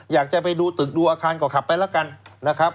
อยากจะไปดูตึกดูอาคารก็ขับไปแล้วกันนะครับ